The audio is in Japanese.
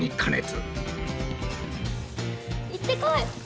いってこい！